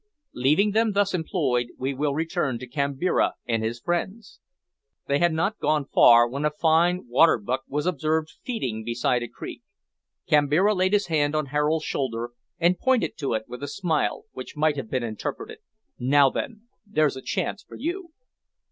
Leaving them thus employed, we will return to Kambira and his friends. They had not gone far when a fine water buck was observed feeding beside a creek. Kambira laid his hand on Harold's shoulder and pointed to it with a smile, which might have been interpreted, "Now, then, there's a chance for you!"